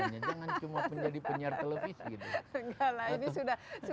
jangan cuma menjadi penyiar televis gitu